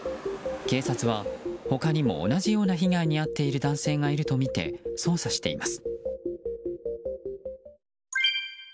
警察は、他にも同じような被害に遭っている男性がいるとみて捜査しています。